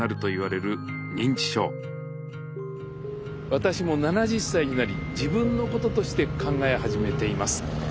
私も７０歳になり自分のこととして考え始めています。